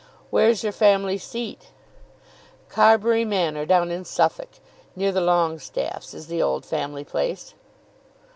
"Where's your family seat?" "Carbury Manor, down in Suffolk, near the Longestaffes, is the old family place."